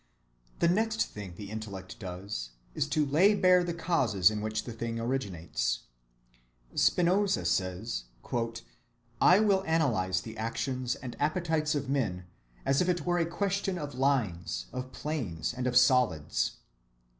‐‐‐‐‐‐‐‐‐‐‐‐‐‐‐‐‐‐‐‐‐‐‐‐‐‐‐‐‐‐‐‐‐‐‐‐‐ The next thing the intellect does is to lay bare the causes in which the thing originates. Spinoza says: "I will analyze the actions and appetites of men as if it were a question of lines, of planes, and of solids."